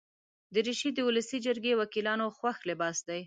دریشي د ولسي جرګې وکیلانو خوښ لباس دی.